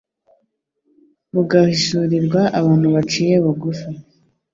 bugahishurirwa abantu baciye bugufi.